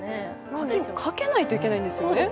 鍵をかけないといけないんですよね？